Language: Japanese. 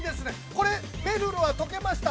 これ、めるるは解けました？